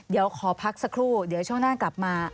เดี๋ยวขอพักสักครู่เดี๋ยวช่วงหน้ากลับมา